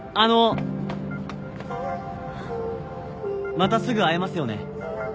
またすぐ会えますよね？